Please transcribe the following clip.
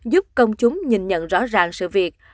giúp công chúng nhìn nhận rõ ràng sự việc